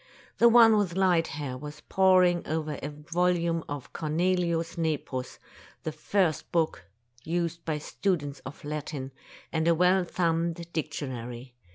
The one with light hair was poring over a volume of Cornelius Nepos, the first book used by students of Latin, and a well thumbed dictionary.